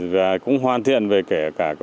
và cũng hoan thiện về kể cả